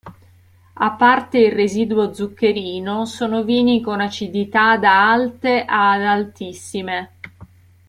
A parte il residuo zuccherino, sono vini con acidità da alte a altissime.